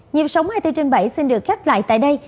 nhiệm sống hai mươi bốn trên bảy xin được khép lại tại đây